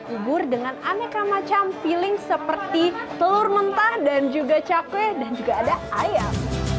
ubur dengan aneka macam feeling seperti telur mentah dan juga cakwe dan juga ada ayam